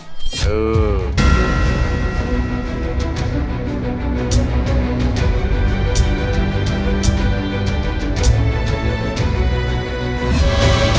โปรดติดตามตอนต่อไป